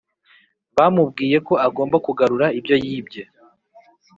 bamubwiye ko agomba kugarura ibyo yibye